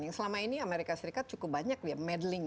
selama ini amerika serikat cukup banyak meddling